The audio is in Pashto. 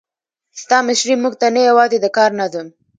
ستا مشري موږ ته نه یوازې د کار نظم،